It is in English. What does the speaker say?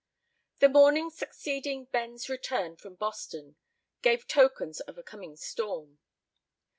The morning succeeding Ben's return from Boston gave tokens of a coming storm.